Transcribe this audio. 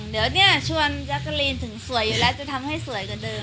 เดี๋ยวเนี่ยชวนแจ๊กกะลีนถึงสวยอยู่แล้วจะทำให้สวยกว่าเดิม